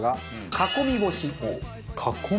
「囲み干し」？